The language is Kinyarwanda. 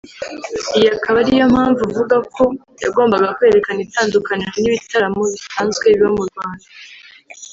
Iyi akaba ari yo mpamvu avuga ko yagombaga kwerekana itandukaniro n’ibitaramo bisanzwe biba mu Rwanda